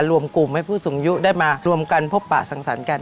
รวมกลุ่มให้ผู้สูงอายุได้มารวมกันพบปะสังสรรค์กัน